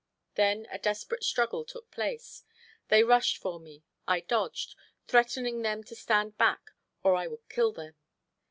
Then a desperate struggle took place. They rushed for me. I dodged, threatening them to stand back or I would kill them.